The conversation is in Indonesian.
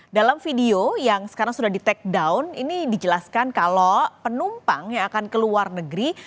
dalam video yang sekarang sudah di take down ini dijelaskan kalau penumpang yang akan ke luar negeri